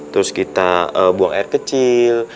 terus kita buang air kecil